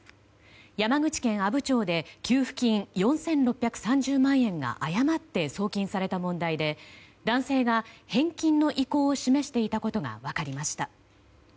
山口県阿武町で給付金４６３０万円が誤って送金された問題で男性が返金の意向を示していたことが分かりました。